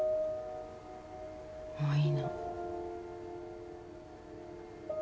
もういいの。